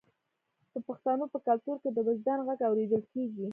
د پښتنو په کلتور کې د وجدان غږ اوریدل کیږي.